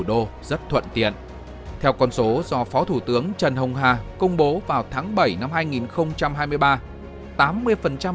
đô rất thuận tiện theo con số do phó thủ tướng trần hồng hà công bố vào tháng bảy năm hai nghìn hai mươi ba